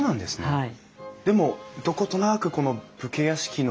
はい。